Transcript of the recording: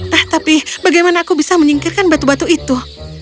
nah tapi bagaimana aku bisa menyingkirkan batu batu itu